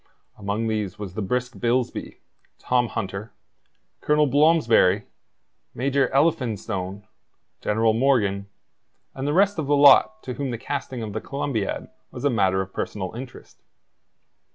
Among these was the brisk Bilsby, Tom Hunter, Colonel Blomsberry, Major Elphinstone, General Morgan, and the rest of the lot to whom the casting of the Columbiad was a matter of personal interest.